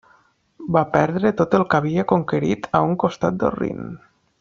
Va perdre tot el que havia conquerit a un costat del Rin.